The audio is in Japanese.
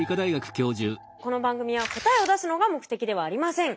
この番組は答えを出すのが目的ではありません。